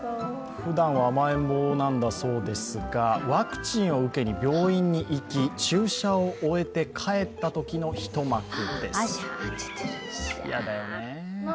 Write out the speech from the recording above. ふだんは甘えん坊なんだそうですが、ワクチンを受けに病院に行き、注射を終えて帰ったときの一幕です。